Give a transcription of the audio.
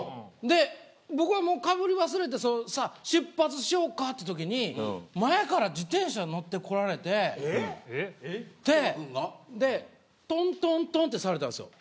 僕はかぶり忘れて出発しようかというときに前から自転車に乗ってこられてトントントンとされたんですよ。